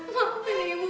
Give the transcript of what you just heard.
pak maafin ibu